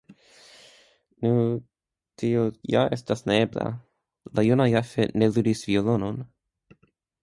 Nu, tio ja estas neebla; la juna Jafet ne ludis violonon.